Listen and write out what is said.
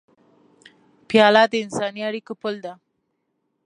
پیاله د انساني اړیکو پُل ده.